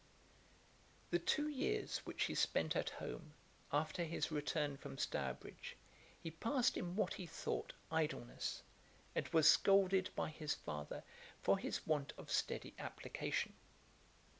] The two years which he spent at home, after his return from Stourbridge, he passed in what he thought idleness, and was scolded by his father for his want of steady application.